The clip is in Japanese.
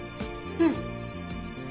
うん。